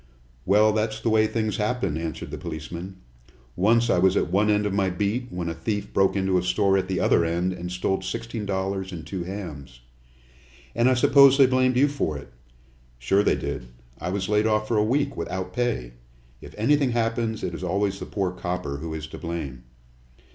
"Well, that's the way things happen," answered the policeman. "Once I was at one end of my beat when a thief broke into a store at the other end and stole sixteen dollars and two hams." "And I suppose they blamed you for it." "Sure they did. I was laid off for a week, without pay. If anything happens it is always the poor copper who is to blame."